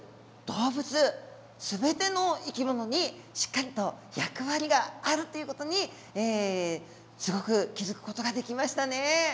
動物全ての生き物にしっかりと役割があるっていう事にすごく気付く事ができましたね。